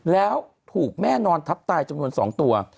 แล้วถูกแม่นอนทับตายจำนวน๒ตัว